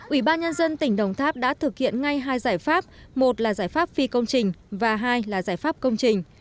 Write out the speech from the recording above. ủy ban nhân dân tỉnh đồng tháp đã thực hiện ngay hai giải pháp một là giải pháp phi công trình và hai là giải pháp công trình